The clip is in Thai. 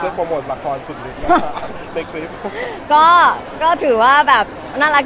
คุณแฟนคุณอ๋อเลือกโปรโมทหลักฐานสุดนิดหนึ่งนะครับ